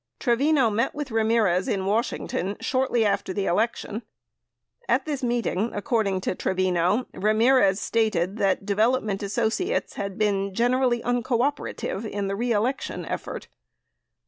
Trevino met with Ramirez in Washington shortly after the elec tion. At this meeting, according to Trevino, Ramirez stated that Development Associates had been generally uncooperative in the re election effort.